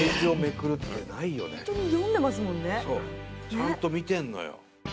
ちゃんと見てんのよ